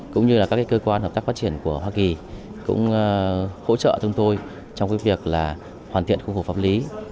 cũng như là các cơ quan hợp tác phát triển của hoa kỳ cũng hỗ trợ chúng tôi trong việc hoàn thiện khu vực pháp lý